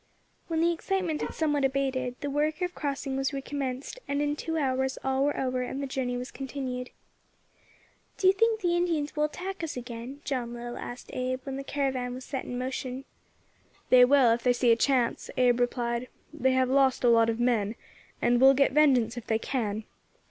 When the excitement had somewhat abated, the work of crossing was recommenced, and in two hours all were over and the journey was continued. "Do you think the Indians will attack us again?" John Little asked Abe, when the caravan was set in motion. "They will, if they see a chance," Abe replied. "They have lost a lot of men, and will get vengeance if they can.